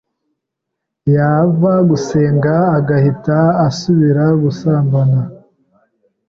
yava gusenga agahita asubira gusambana,